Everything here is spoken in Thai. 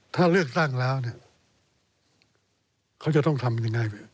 ถ้าเลือกสร้างแล้วเขาจะต้องทำอย่างไร